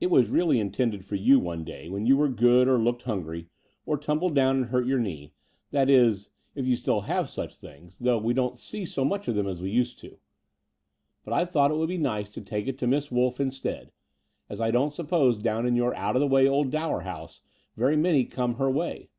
It was really intended for you one day when you were good or looked himgry, or tumbled down and hxut your knee — ^that is, if you still have such things, 148 The Door of the Unreal though we don't see so much of them as we used to: but I thought it would be nice to take it to Miss Wolflf instead, as I don't suppose down in your out of the way old Dower House very many come her way."